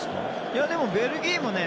いや、でもベルギーもね